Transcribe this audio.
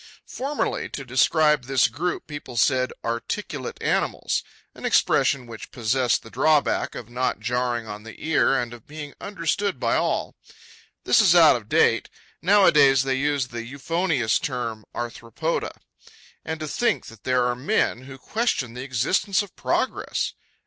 Formerly, to describe this group, people said 'articulate animals,' an expression which possessed the drawback of not jarring on the ear and of being understood by all. This is out of date. Nowadays, they use the euphonious term 'Arthropoda.' And to think that there are men who question the existence of progress!